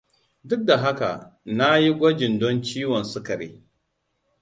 Duk da haka na yi gwajin don ciwon sukari